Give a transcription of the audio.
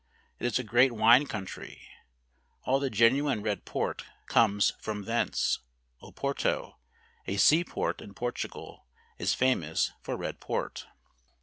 It is a great wine coun¬ try ; all the genuine red port comes from thence. Oporto, a seaport in Portugal, is famous for red port.